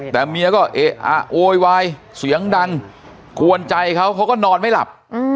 แต่เมียก็เอ๊ะอะโวยวายเสียงดังกวนใจเขาเขาก็นอนไม่หลับ